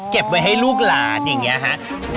เก็บไว้ให้ลูกหลานอย่างนี้ฮะ